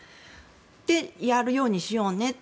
そうやるようにしようねって。